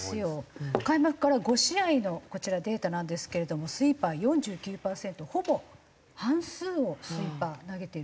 開幕から５試合のこちらデータなんですけれどもスイーパー４９パーセントほぼ半数をスイーパー投げてるっていう事なんですね。